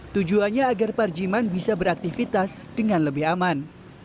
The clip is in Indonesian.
tujuannya agar parjiman bisa beraktivitas dengan lebih aman